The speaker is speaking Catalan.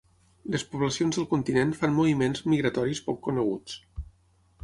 Les poblacions del continent fan moviments migratoris poc coneguts.